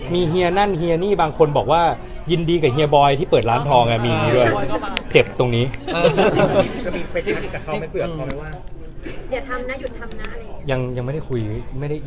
มีเฮียนั่นเฮียนี่บางคนบอกว่ายินดีกับเฮียบอยที่เปิดร้านทองมีอย่างนี้ด้วย